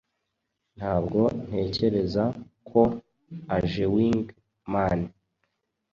Ntabwo ntekereza ko ajewingman